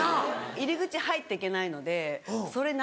入り口入って行けないのでそれ何？